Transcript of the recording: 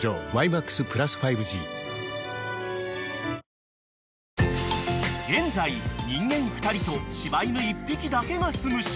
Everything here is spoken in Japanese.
新しくなった［現在人間２人と柴犬１匹だけがすむ島］